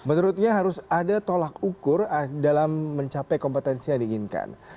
menurutnya harus ada tolak ukur dalam mencapai kompetensi yang diinginkan